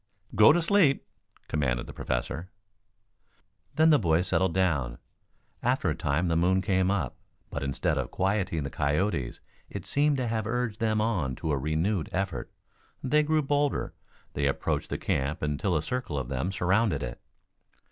"Go to sleep!" commanded the Professor. Then the boys settled down. After a time the moon came up, but instead of quieting the coyotes it seemed to have urged them on to renewed efforts. They grew bolder. They approached the camp until a circle of them surrounded it.